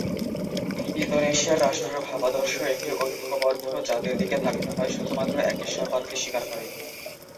ইন্দোনেশিয়ার রাষ্ট্রীয় ভাবাদর্শ একটি ঐক্যবদ্ধ জাতির দিকে ধাবিত হয়, শুধুমাত্র একেশ্বরবাদকে স্বীকার করে।